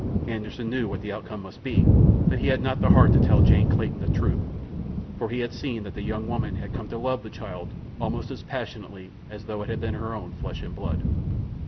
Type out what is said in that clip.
Anderssen knew what the outcome must be, but he had not the heart to tell Jane Clayton the truth, for he had seen that the young woman had come to love the child almost as passionately as though it had been her own flesh and blood.